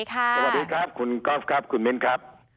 สวัสดีครับคุณกอล์ฟครับคุณมิ้นครับ